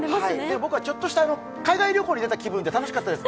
僕はちょっとした海外旅行に出た気分で楽しかったです。